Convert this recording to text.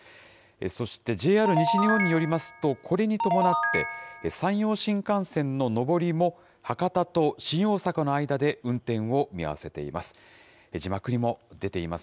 そして、ＪＲ西日本によりますと、これに伴って、山陽新幹線の上りも、博多と新大阪の間で運転を見合わせています。